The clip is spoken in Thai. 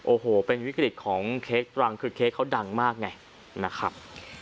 โอ้โหเป็นวิกฤตของเค้กตรังคือเค้กเขาดังมากไงนะครับ